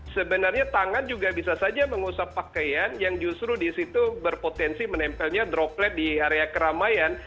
sebenarnya tangan juga bisa saja mengusap pakaian yang justru disitu berpotensi menempelnya droplet di area keramaian